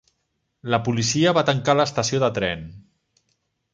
La policia va tancar l'estació de tren.